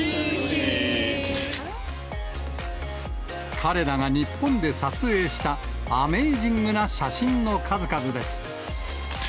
彼らが日本で撮影した、アメージングな写真の数々です。